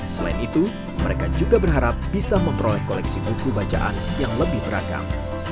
selain itu mereka juga berharap bisa memperoleh koleksi buku bacaan yang lebih beragam